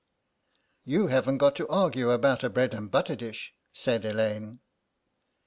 "You haven't got to argue about a bread and butter dish," said Elaine.